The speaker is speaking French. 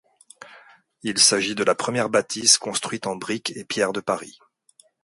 Il s'agit de la première bâtisse construite en brique et pierre de Paris.